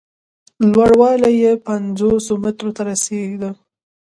لوړوالی یې پینځو مترو ته رسېده.